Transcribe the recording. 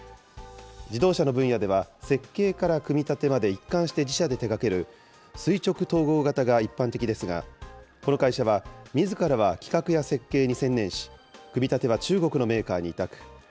自動車の分野では設計から組み立てまで一貫して自社で手がける垂直統合型が一般的ですが、この会社は、みずからは企画や設計に専念し、組み立ては中国のメーカーに委託。